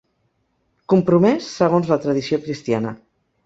Compromès segons la tradició cristiana.